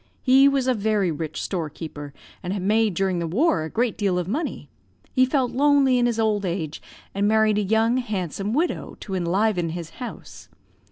He was a very rich storekeeper, and had made during the war a great deal of money. He felt lonely in his old age, and married a young, handsome widow, to enliven his house.